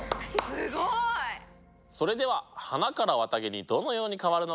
すごい！それでは花から綿毛にどのように変わるのか。